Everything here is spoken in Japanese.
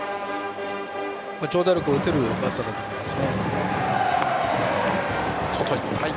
長打力、打てるバッターだと思います。